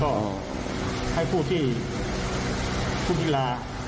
และไผู้ที่พุธวิลา